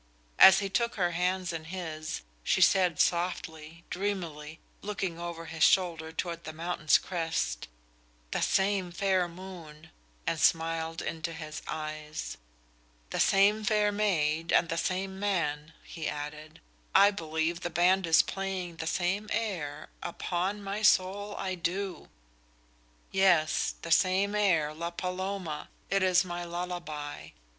As he took her hands in his, she said softly, dreamily, looking over his shoulder toward the mountain's crest: "The same fair moon," and smiled into his eyes. "The same fair maid and the same man," he added. "I believe the band is playing the same air; upon my soul, I do." "Yes, the same air, La Paloma. It is my lullaby.